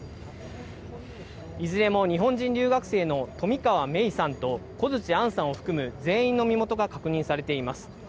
いずれも日本人留学生の冨川芽生さんと小槌杏さんを含む全員の身元が確認されています。